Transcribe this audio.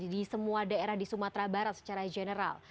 di semua daerah di sumatera barat secara general